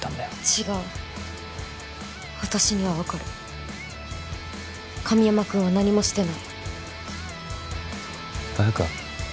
違う私には分かる神山くんは何もしてない綾華？